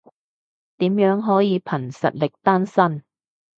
點樣可以憑實力單身？